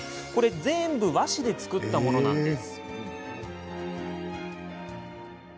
全部和紙で作ったものなんです。